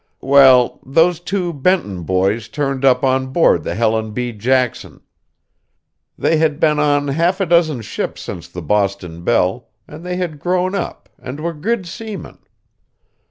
Well, those two Benton boys turned up on board the Helen B. Jackson. They had been on half a dozen ships since the Boston Belle, and they had grown up and were good seamen.